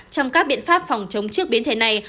trong các biện pháp phòng chống trước biến thể này